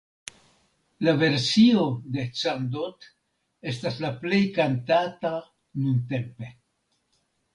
La versio de Candot estas la plej kantata nuntempe.